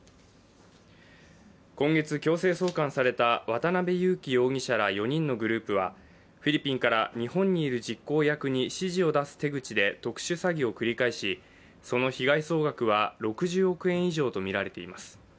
今月、強制送還された渡辺優樹容疑者ら４人のグループはフィリピンから日本にいる実行役に指示を出す手口で特殊詐欺を繰り返しその被害総額は６０億円以上とみられています。